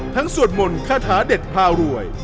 สวดมนต์คาถาเด็ดพารวย